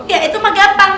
ya itu mah gampang